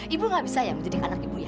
ibu nggak bisa ya menjadikan anak ibu ya